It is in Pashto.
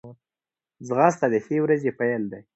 ځغاسته د ښې ورځې پیل دی